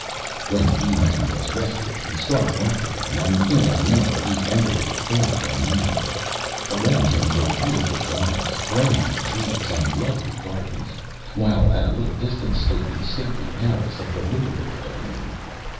'" When the Bee man was rested he started off again, and in about an hour he entered a fair domain. Around him were beautiful lawns, grand trees, and lovely gardens; while at a little distance stood the stately palace of the Lord of the Domain.